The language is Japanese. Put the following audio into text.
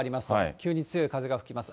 急に強い風が吹きます。